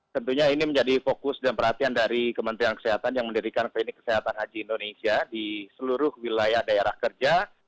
tentunya ini menjadi fokus dan perhatian dari kementerian kesehatan yang mendirikan klinik kesehatan haji indonesia di seluruh wilayah daerah kerja